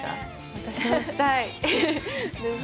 私もしたいです。